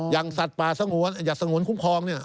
อย่างสัตว์ป่าสงวนอย่าสงวนคุ้มครอง